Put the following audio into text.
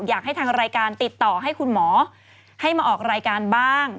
อยากให้ทางรายการติดต่อให้คุณหมอให้มาออกรายการบ้าง